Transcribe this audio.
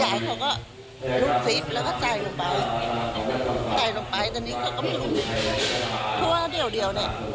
ยายก็ถามหาทางนานเลย